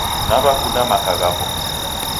Naw'akunda maka ghapo